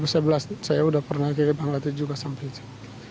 saya sudah pernah ke bangladesh juga sampai itu